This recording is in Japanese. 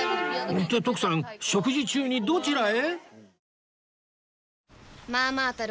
って徳さん食事中にどちらへ？